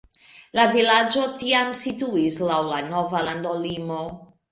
La vilaĝo tiam situis laŭ la nova landolimo.